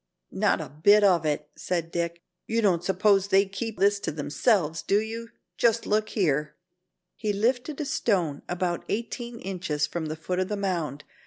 "Not a bit of it," said Dick. "You don't suppose they keep this all to themselves, do you? Just look here." He lifted a stone about eighteen inches from the foot of the mound.